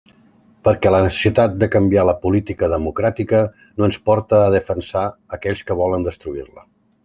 Perquè la necessitat de canviar la política democràtica no ens porte a defensar aquells que volen destruir-la.